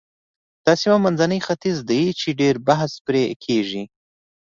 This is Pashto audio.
دا سیمه منځنی ختیځ دی چې ډېر بحث پرې کېږي.